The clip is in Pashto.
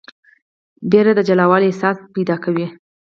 ویره د جلاوالي احساس زېږوي.